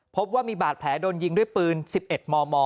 พบว่ามีบาดแผลโดนยิงด้วยปืน๑๑มม